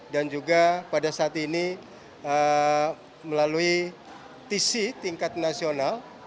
dan juga pada saat ini melalui tc tingkat nasional